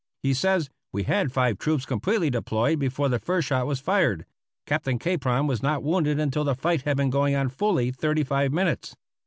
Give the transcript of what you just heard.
He says: "We had five troops completely deployed before the first shot was fired. Captain Capron was not wounded until the fight had been going on fully thirty five minutes.